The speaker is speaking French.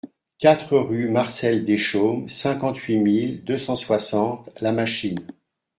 quatre rue Marcel Deschaumes, cinquante-huit mille deux cent soixante La Machine